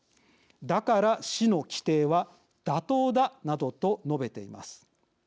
だから市の規定は妥当だなどと述べています。